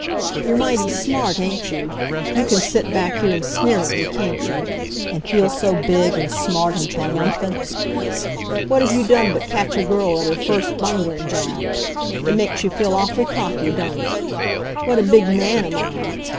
"You're mighty smart, ain't you? You can sit back here and sneer at me, can't you? And feel so big and smart and triumphant! What've you done but catch a girl at her first bungling job! It makes you feel awfully cocky, don't it? 'What a big man am I!'